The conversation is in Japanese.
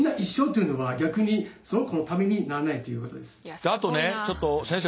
しかもあとねちょっと先生